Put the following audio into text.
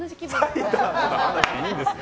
ファイターズの話いいんですよ。